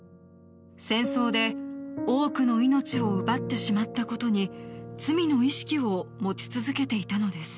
戦争で多くの命を奪ってしまったことに罪の意識を持ち続けていたのです。